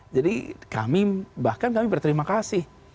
jadi kami bahkan kami berterima kasih